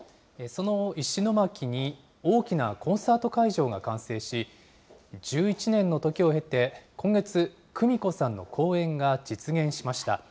その石巻に大きなコンサート会場が完成し、１１年の時を経て、今月、クミコさんの公演が実現しました。